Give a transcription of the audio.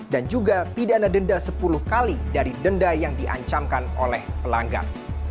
dan juga pidana denda sepuluh kali dari denda yang diancamkan oleh pelanggar